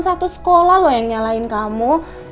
satu sekolah loh yang nyalain kamu